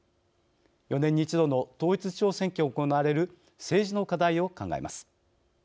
４年に一度の統一地方選挙も行われる政治の課題を考えます。